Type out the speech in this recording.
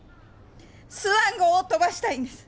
スワン号を飛ばしたいんです！